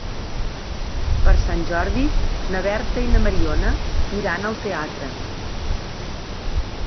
Per Sant Jordi na Berta i na Mariona iran al teatre.